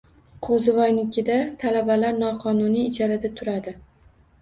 Qo`zivoynikida talabalar noqonuniy ijarada turadi